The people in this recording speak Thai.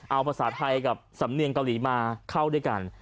เอาภาษาไทยกับสำเนียงเกาหลีมาเข้าด้วยกัน